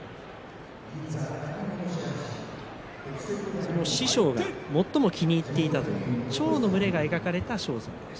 その師匠が最も気に入っていたというチョウの群れが描かれた装束です。